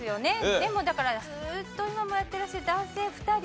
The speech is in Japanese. でもだからずっと今もやってらっしゃる男性２人組。